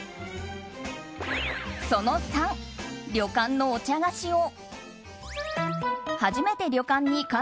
その３、旅館のお茶菓子を。